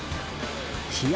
試合